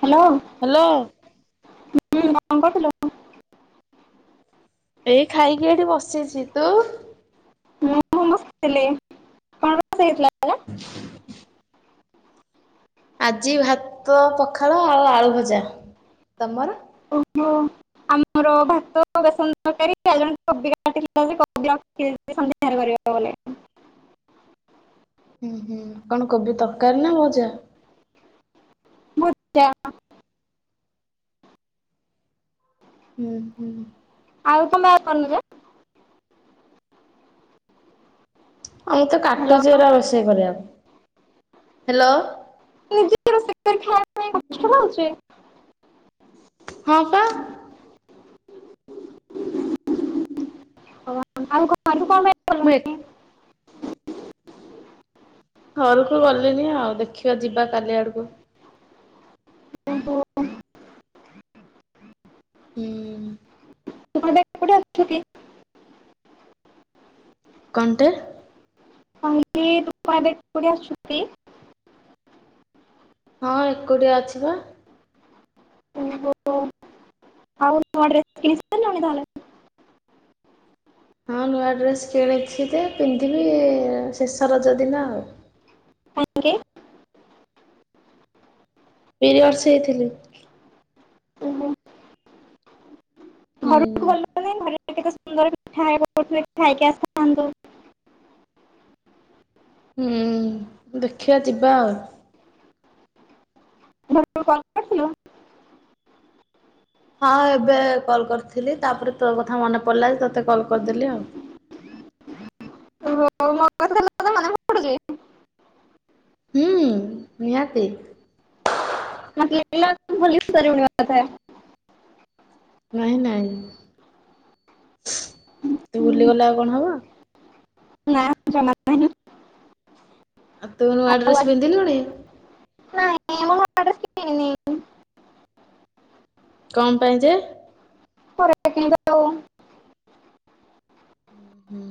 Hello [inaudible] hello. ହୁଁ କଣ କରୁଥିଲ। [inaudible] ଏଇ ଖାଇକି ଏଠି ବସିଛି ତୁ ମୁଁ [unintelligible] ହେଇଥିଲା। ହେଲା। ଆଜି ଭାତ ପଖାଳ ଆଉ ଆଳୁ ଭଜା ତମର ଲୋ ଆମର ଭାତ ବେସନ ତରକାରୀ ଆଉ ଜଣେ କୋବି କାଟିଥିଲା ଯେ କରିକି ରଖି ଦେଇଥିଲି ସନ୍ଧ୍ୟାରେ କରିବ। [inaudible] ଉଁ ହୁଁ କଣ କୋବି ତରକାରୀ ନା ଭଜା ଭଜା। ଉଁ ହୁଁ ଆଉ ତମେ କରିନ ଯେ, ଆଉ ମୁଁ ତ କାଟୁଚି ହ୍ୟାଲୋ ଏରା ରୋଷେଇ କରିବାକୁ। [inaudible] ହାଲୋ ନିଜେ ରୋଷେଇ କରି ଖାଇଆ ପାଇଁ କଷ୍ଟ ଲାଗୁଚି। [inaudible] ହଁ ପା ହଉ [unintelligible] କଣ ପାଇଁ ଏ ଗଲନି? ଘରକୁ ଗଲେଣିି ଆଉ ଦେଖିବା ଯିବା କାଲି ଆଡକୁ। ଓହୋ ହୁଁ କୋଉଠି ଆଛୁ କି? କଣ ଟେ କହିଲି ତୁ କଣ ଏବେ କୋଉଠି ଅଛୁକି? ହଁ ଏକୁଟିଆ ଅଛି ବା, ଓହୋ ଆଉ ନୂଆ ଡ୍ରେସ କିଣି ସାରିଲୁଣି ତାହେଲେ [inaudible] ହଁ ନୂଆ ଡ୍ରେସ୍ କିଣିଛି ଯେ ପିନ୍ଧିବି ଶେଷ ରଜ ଦିନ ଆଉ। କାହିଁକି? ପିରିୟଡ଼ସ ହେଇଥିଲି। ଓହୋ। ହୁଁ। ଘରକୁ ଗଲୁ ନାଇଁ ଘରେ କେତେ ସୁନ୍ଦର ପିଠା କରୁଥିଲେ ଖାଇକି ଆସିଥାନ୍ତୁ ହୁଁ ଦେଖିବା ଯିବା ଆଉ। ମୁଁ କହିଲି ତୁ କଲ କରିଥିଲୁ? ହଁ ଏବେ କଲ କରିଥିଲି ତାପରେ ତୋ କଥା ମନେ ପଡିଲା ଯେ ତତେ କଲ କରିଦେଲି ଆଉ। ହ ମୋ କଥା ତୋର ଖାଲି ମନେ ପଡୁଚି ହୁଁ ନିହାତି। ତୁ ଭୁଲିବି ପାରିବୁନି ମତେ ନାହିଁ ନାଇଁ ତୁ ହୁଁ, ଭୁଲିଗଲେ ଆଉ କଣ ହବ। ନା ଯମା ନାହିଁ। ଆଉ ତୁ ନୂଆ ଆଉ ଡ୍ରେସ ଆଜି- ପିନ୍ଧିଲୁଣି? ନାଇଁ ମୁଁ ନୂଆ ଡ୍ରେସ କିଣିନି କଣ ପାଇଁ ଯେ ପରେ ଦେଖି କିଣିବା ଆଉ। ହୁଁ ହୁଁ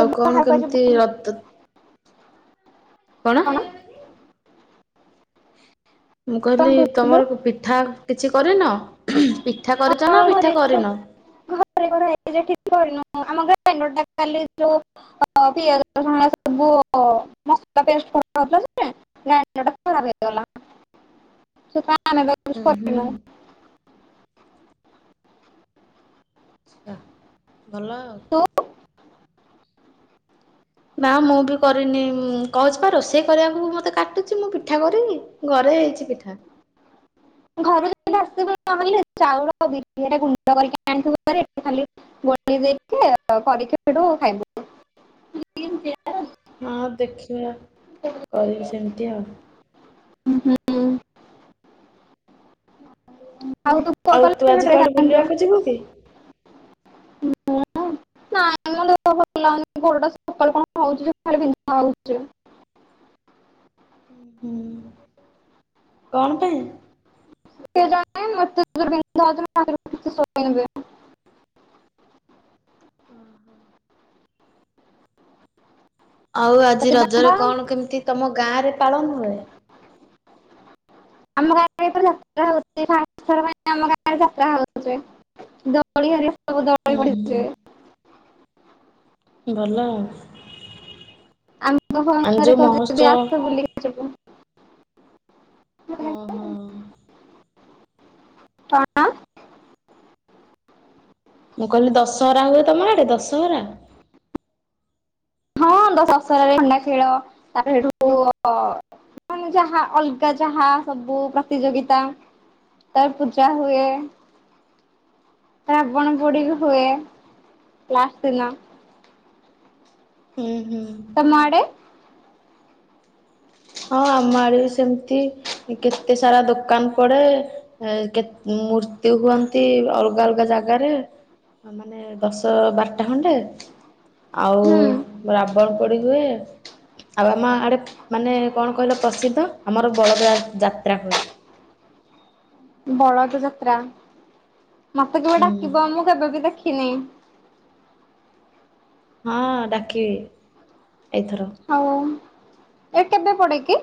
ଆଉ କଣ ବାହାରକୁ ଆଜି କେମିତି ବୁଲି- ର କଣ? ମୁଁ କଣ କହିଲି କହୁଥିଲୁ ତମର ପିଠା କିଛି କରିନ ପିଠା କରିଛ ନା ହଁ ଘରେ ପିଠା କରିନ? ଏଠି କରିନୁ ଆମ ଗ୍ରାଇଣ୍ଡର ଟା କାଲି ଯେଉଁ ପିଆଜ ରସୁଣ ଅରିକା ସବୁ ମସଲା ପେଷ୍ଟ କରାହେଉଥିଲା ଯେ ଗ୍ରାଇଣ୍ଡର ଟା ଖରାପ ହେଇଗଲା ନାନା ତାକୁ ଉଁ କିଛି ହୁଁ କରିନୁ। ଚ୍ଛା ଭଲ ଆଉ। ତୁ ନା ମୁଁ ବି କରନି କହୁଛି ପା ରୋଷେଇ କରିବା କୁ ମତେ କାଟୁଚି। ମୁଁ ପିଠା କରିବି ଘରେ ହେଇଛି ପିଠା। [inaudible] ହଁ ଦେଖିଆ କରିବି ସେମିତି ଆଉ। [inaudible] ଆଉ ତୁ କୋଉ ଆଉ ତୁ କଲର୍ ଆଜି ଡ୍ରେସ୍ କୁଆଡେ ଆଣିଛୁ ବୁଲିବାକୁ ଯିବୁ କି? ମୁଁ ନାଇ ମୋ ଦେହଟା ଭଲ ଲାଗୁନି ଗୋଡ଼ଟା ସକାଳୁ କଣ ହୋଇଛି ଯେ ଖାଲି ବିନ୍ଧା ହୋଉଛି। କଣ ପାଇଁ? କେଜାଣି ଏତେ ଜୋରେ ବିନ୍ଧା ହୋଉଛି ମୁ [inaudible] ସୋଇନି ଯେ। ଆଉ ଆଜି ସେଥିପାଇଁ ରଜରେ ବା କଣ କେମିତି ତମ ଗାଁ ରେ? ପାଳନ୍ ହୁଏ। [inaudible] ସବୁ ଦୋଳି ହୁଁ ପଡ଼ିଚି। ଭଲ ଆଉ। ଆମକୁ ଫୋନ୍ ମାନେ ଯୋଉ କରିକି ମହୋତ୍ସବ କହୁଛନ୍ତି ଆସେ ବୁଲିକି ଯିବୁ। ହଁ ହଁ କଣ? ମୁଁ କହିଲି ଦଶହରା ହୁଏ ତମ ଆଡ଼େ ଦଶହରା। ହଁ ଦଶରାରେ ଖଣ୍ଡା ଖେଳ ତାପରେ ହେଠୁ ମାନେ ଯାହା ଅଲଗା ଯାହା ସବୁ ପ୍ରତିଯୋଗିତା ତାରେ ପୂଜା ହୁଏ। ରାବଣ ପୋଡି ହୁଏ ଲାଷ୍ଟ୍ ଦିନ। ହୁଁ। ହୁଁ। ତମ ଆଡ଼େ। ହଁ ଆମ ଆଡେ ସେମିତି କେତେ ସାରା ଦୋକାନ ପଡେ। କେ ମୂର୍ତ୍ତି ହୁଅନ୍ତି ଅଲଗା ଅଲଗା ଜାଗାରେ। ମାନେ ଦଶ ବାରଟା ଖଣ୍ଡେ ଆଉ ହୁଁ ରାବଣ ପୋଡି ହୁଏ ଆଉ ଆମ ଆଡେ ମାନେ କଣ କହିଲ ପ୍ରସିଦ୍ଧ ଆମର ବଳଦ ଯାତ୍ରା ହୁଏ। ବଳଦ ଯାତ୍ରା। ମତେ କେବେ ହୁଁ ଡାକିବା ମୁଁ କେବେ ବି ଦେଖି। ଖିନି। ହଁ ଡାକିବି। ଏଇଥର ହଉ। ଏ କେବେ ପଡେ କି?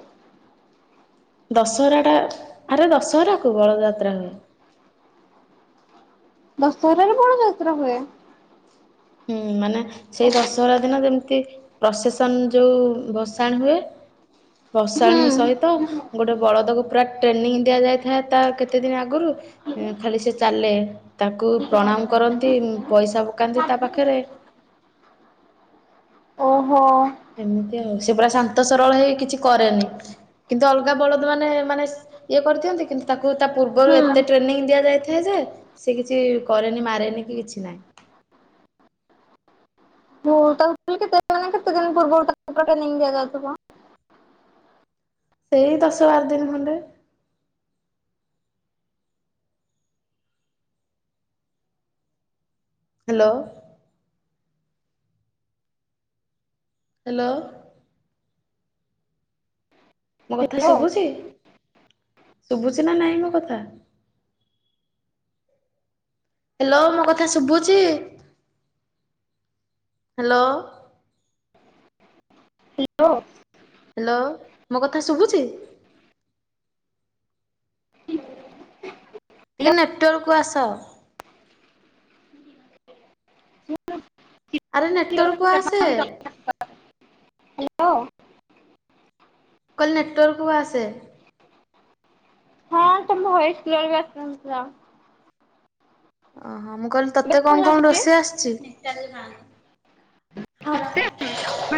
ଦଶହରା ଟା ଆରେ ଦଶହରା କୁ ବଳଯାତ୍ରା ହୁଏ। ଦଶହରାରେ ବଳଦ ଯାତ୍ରା ହୁଏ। ହୁଁ ମାନେ ସେଇ ଦଶହରା ଦିନ ଯେମିତି ପ୍ରସେସନ ଯଉ ଭସାଣି ହୁଏ। ଭସାଣି ହୁଁ ସହିତ ଗୋଟେ ବଳଦକୁ ପୁରା ଟ୍ରେନିଂ ଦିଆ ଯାଇଥାଏ ତା କେତେ ଦିନ ଆଗରୁ। ଖାଲି ସେ ଚାଲେ। [unintelligible] ତାକୁ ପ୍ରଣାମ କରନ୍ତି ପଇସା ପକାନ୍ତି। [inaudible] ଓହୋ ସେମିତି ଆଉ। ସେ ପୁରା ଶାନ୍ତ ସରଳ ହେଇ କିଛି କରେନି କିନ୍ତୁ ଅଲଗା ବଳଦ ମାନେ ମାନେ ଇଏ କରିଥାନ୍ତି କିନ୍ତୁ ତାକୁ ତା ପୂର୍ବରୁ ହୁଁ। ଏତେ ଟ୍ରେନିଂ ଦିଆ ଯାଇଥାଏ ଯେ ସେ କିଛି କରେନି ମାରେନି କି କିଛି ନାହିଁ। ହୋଉ କେତେ କେତେ ଦିନ ପୂର୍ବରୁ ତାକୁ ଟ୍ରେନିଂ ଦିଆଯାଉଥିବ। ସେଇ ଦଶ ବାର ଦିନ ଖଣ୍ଡେ। ହ୍ୟାଲୋ। ହ୍ୟାଲୋ। ମୋ କଥା ହ୍ୟାଲୋ ଶୁଭୁଚି। ଶୁଭୁଚି ନା ନାଇଁ ମୋ କଥା। ହ୍ୟାଲୋ ମୋ କଥା ଶୁଭୁଚି। ହ୍ୟାଲୋ। ହ୍ୟାଲୋ। ହ୍ୟାଲୋ ମୋ କଥା ଶୁଭୁଚି। [unintelligible] ଟିକେ ନେଟୱାର୍କ କୁ ଆସ। ଆରେ ନେଟାୱାର୍କ କୁ ଆସେ। Hello hello. ମୁଁ କହିଲି ନେଟୱାର୍କକୁ ଆସେ। ହଁ ତମ ଭୟେସ୍ କ୍ଲିଅର ବି ଆସୁନଥିଲା। ଓହୋ। ହଁ ମୁଁ କହିଲି ଏବେ ତତେ କଣ କଣ ଶୁଣାଯାଉଛି ରୋଷେଇ ଆସିଚି। [unintelligible] [unintelligible] ଚିକେନ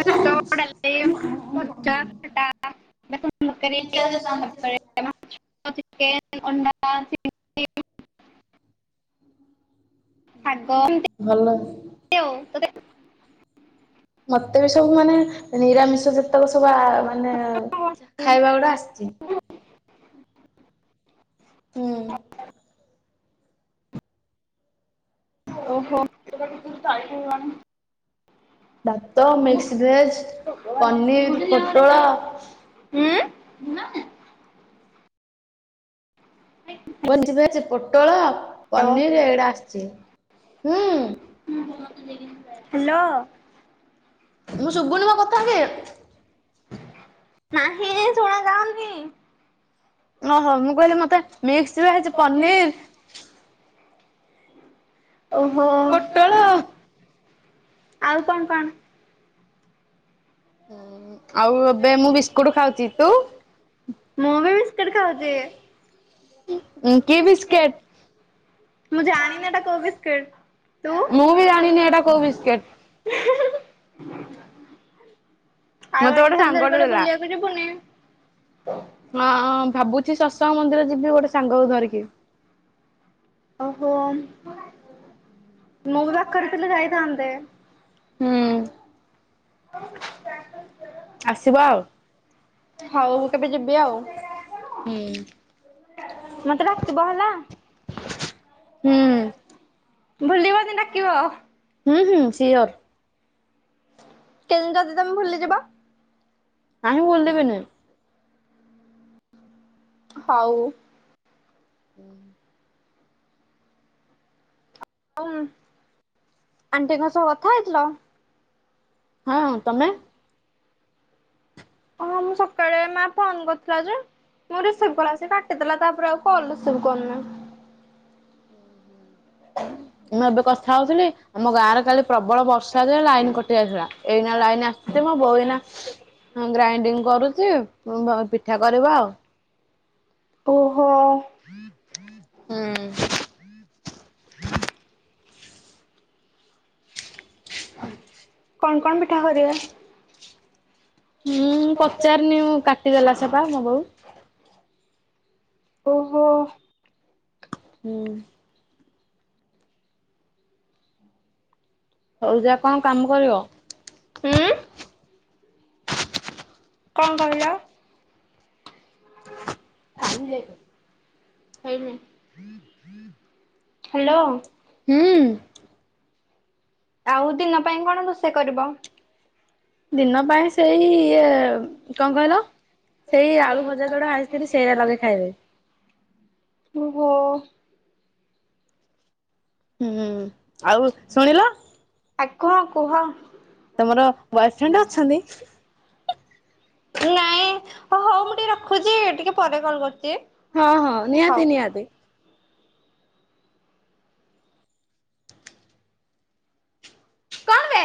ଅଣ୍ଡା ଚିଲି [unintelligible] ଶାଗ ଭଲ [unintelligible] [inaudible] ମତେ ବି ସବୁ ମାନେ ନିରାମିଷ ଯେ [unintelligible] ସବୁ ମାନେ ଖାଇବା ଗୁଡା ଆସିଚି। ହୁଁ ଓହୋ [unintelligible] ଭାତ, ମିକ୍ସ ଭେଜ, ପନିର, ପୋଟଳ ନାଇଁ [unintelligible] ପୋଟଳ ପନିର୍ ଏଡା ଆସିଚି। ହୁଁ [unintelligible] ହାଲୋ ମୁଁ ଶୁଭୁନି ମୋ କଥା କି ନାହିଁରେ ଶୁଣା ଯାଉନି ଓହୋ ମୁଁ କହିଲି ମତେ ମିକ୍ସ ଭେଜ୍ ପନିର ଓହୋ ପୋଟଳ ଆଉ କଣ କଣ ହୁଁ ଆଉ ଏବେ ମୁଁ ବିସ୍କୁଟ ଖାଉଛି ତୁ ମୁଁ ବି ବିସ୍କିଟ ଖାଉଛି। କି ବିସ୍କେଟ? ମୁଁ ଜାଣିନି ଏଟା କଉ ବିସ୍କିଟ ତୁ ମୁଁ ବି ହିଁ ଜାଣିନି ଏଇଟା କୋଉ ବିସ୍କେଟ ହିଁ ହିଁ ହଁ [inaudible] ମତେ ଗୋଟେ ସାଙ୍ଗଟେ ଦେଲା ଯିବୁନି? ହଁ ଭାବୁଛି ସସ୍ ତ ମନ୍ଦିର ଯିବି ଗୋଟେ ସାଙ୍ଗକୁ ଧରିକି ଅହୋମ୍। ମୁଁ ବି ବ୍ୟାକ କରିଥିଲେ ଯାଇଥାନ୍ତେ ହୁଁ ହସ ଆସିବ ଆଉ [inaudible] ହଉ ମୁଁ କେବେ ଯିବି ଆଉ ହୁଁ ମତେ ଡାକିବ ହେଲା। ହୁଁ ଭୁଲିବନି ଡାକିବ ହୁଁ ହୁଁ ସିଓର। କେନ [unintelligible] ଯଦି ତମେ ଭୁଲି ଯିବ ନାହିଁ ଭୁଲିବିନି ହଉ। [unintelligible] ହଁ ଆଣ୍ଟିଙ୍କ ସହ କଥା ହେଇଥିଲ। ହଁ ତମେ ହଁ ମୁଁ ସକାଳେ ମା ଫୋନ କରିଥିଲା ଯେ ମୁ ରିସିଭ କଳାସେ କାଟିଦଲା ତାପରେ ଆଉ କଲ ରିସିଭ କରୁନି। ମୁଁ ଏବେ କଥା ହଉଥିଲି ଆମ ଗାଁରେ କାଲି ପ୍ରବଳ ବର୍ଷାାରେ ଲାଇନ କଟି ଯାଇଥିଲା ଏଇନା ଲାଇନ ଆସିଛି ମୁ ବୋଉ ଏଇନା ଗ୍ରାଇଣ୍ଡିଙ୍ଗ କରୁଛି ପିଠା କରିବା ଆଉ। ଓହୋ ହୁଁ। [inaudible] [inaudible] କଣ କଣ ପିଠା କରିବା? ହୁଁ ପଚାରନି କାଟିଦେଲା ସେପା ମୋ ବୋଉ ଓହୋ ହୁଁ ହଉ ଯା କଣ କାମ କରିବ? ହୁଁ ଉଁ କଣ କହିଲ? ଆଇଲେ [unintelligible] ହାଲୋ ହୁଁ ଆଉ ଦିନ ପାଇଁ କଣ ରୋଷେଇ କରିବ? ଦିନ ପାଇଁ ଶ୍ ସେଇ ଇଏ କଣ କହିଲ? ସେଇ ଆଳୁ ଭଜା ଯୋଉଡା ଭାଜିଥିଲି ସେଇରା ଲଗେଇ ଖାଇବେ। ଓହୋ ହୁଁ ଆଉ ଶୁଣିଲ। ଆକଣ କୁହ? ତମର ବୟଫ୍ରେଣ୍ଡ ଅଛନ୍ତି? ନାଇଁ। ଓ ହଉ ମୁଁ ଟିକେ ରଖୁଚି ଟିକେ ପରେ କଲ୍ କରୁଚି। ହଁ ହଁ ନିହାତି ନିହାତି। କଣ ବେ?